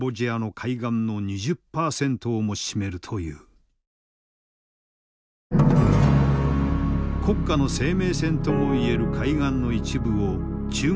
国家の生命線ともいえる海岸の一部を中国企業に貸し出す。